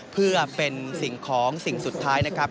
เพื่อเป็นสิ่งของสิ่งสุดท้ายนะครับ